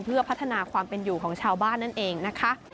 เพื่อพัฒนาความเป็นอยู่ของชาวบ้านนั่นเองนะคะ